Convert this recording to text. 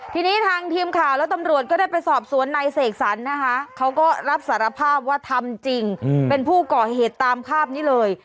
ทีนี้ทางทีมข่าวและตำรวจก็ได้ไปสอบสวนนายเสกสรรนะคะเขาก็รับสารภาพว่าทำจริงเป็นผู้ก่อเหตุตามภาพนี้เลย